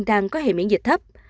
đang có hệ miễn dịch thấp